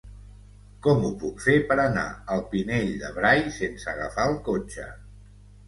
Com ho puc fer per anar al Pinell de Brai sense agafar el cotxe?